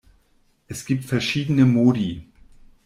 Es gibt verschiedene Modi.